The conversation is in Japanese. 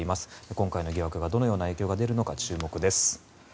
今回の疑惑がどのような影響が出るのか注目です。